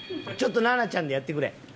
ちょっと菜奈ちゃんでやってくれ。